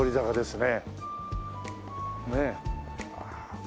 ねえ。ああ。